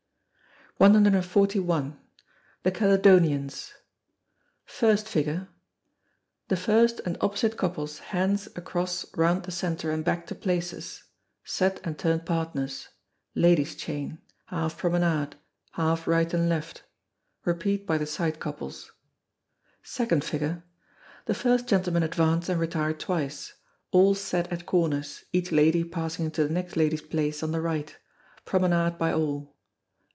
141. The Caledonians. First Figure. The first and opposite couples hands across round the centre and back to places set and turn partners. Ladies' chain. Half promenade half right and left. Repeated by the side couples. Second Figure. The first gentleman advance and retire twice. All set at corners, each lady passing into the next lady's place on the right. Promenade by all.